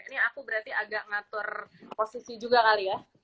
ini aku berarti agak ngatur posisi juga kali ya